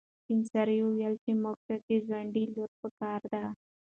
سپین سرې وویل چې موږ ته د ځونډي لور په کار ده.